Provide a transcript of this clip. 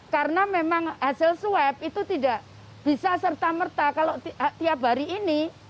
karena memang hasil swab itu tidak bisa serta merta kalau tiap hari ini